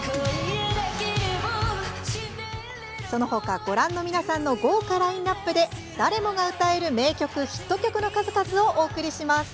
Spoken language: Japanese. そのほか、ご覧の皆さんの豪華ラインナップで誰もが歌える名曲、ヒット曲の数々をお送りします。